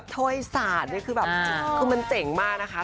ทุยศาสตร์คือแบบมันเจ๋งมากนะค่ะ